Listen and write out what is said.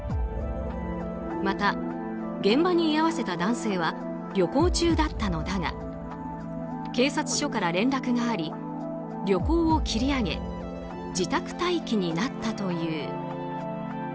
また現場に居合わせた男性は旅行中だったのだが警察署から連絡があり旅行を切り上げ自宅待機になったという。